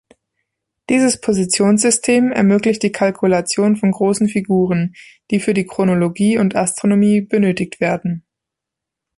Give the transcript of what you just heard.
Dieses Positionssystem ermöglicht die Kalkulation von großen Figuren, die für die Chronologie und Astronomie benötigt werden.